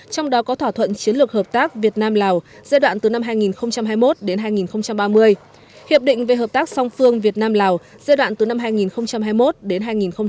trong đó có thỏa thuận chiến lược hợp tác việt nam lào giai đoạn từ năm hai nghìn hai mươi một đến hai nghìn ba mươi hiệp định về hợp tác song phương việt nam lào giai đoạn từ năm hai nghìn hai mươi một đến hai nghìn hai mươi năm